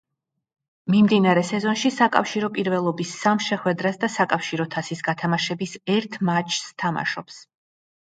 მიმდინარე სეზონში საკავშირო პირველობის სამ შეხვედრას და საკავშირო თასის გათამაშების ერთ მატჩს თამაშობს.